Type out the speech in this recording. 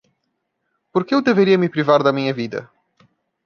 Por que eu deveria me privar da minha vida?